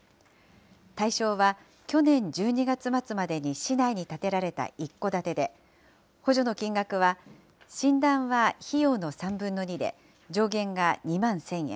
対象は去年１２月末までに市内に建てられた一戸建てで、補助の金額は、診断は費用の３分の２で、上限が２万１０００円。